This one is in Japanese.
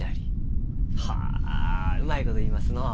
はあうまいこと言いますのう。